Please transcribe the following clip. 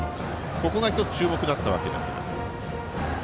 ここが１つ注目だったわけですが。